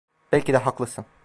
Belki de haklısın.